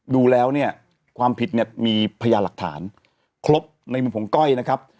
ดูแล้วเนี่ยความผิดเนี่ยมีพยานหลักฐานครบในมุมของก้อยนะครับ